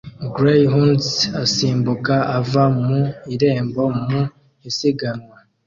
Greyhounds asimbuka ava mu irembo mu isiganwa